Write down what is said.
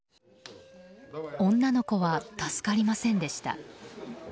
女の子は助かりませんでした。